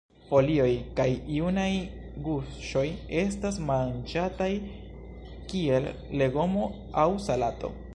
Folioj kaj junaj guŝoj estas manĝataj kiel legomo aŭ salato.